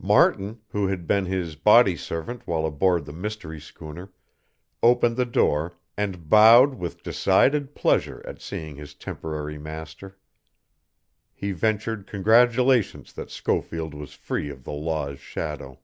Martin, who had been his body servant while aboard the mystery schooner, opened the door, and bowed with decided pleasure at seeing his temporary master. He ventured congratulations that Schofield was free of the law's shadow.